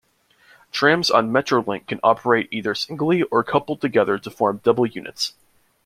Trams on Metrolink can operate either singly, or coupled together to form double units.